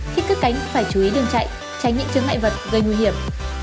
khi cất cánh phải chú ý đường chạy tránh những chứng ngại vật gây nguy hiểm